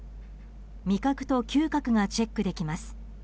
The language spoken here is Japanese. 味覚と嗅覚がチェックできます。